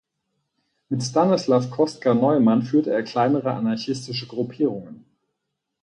Mit Stanislav Kostka Neumann führte er kleinere anarchistische Gruppierungen.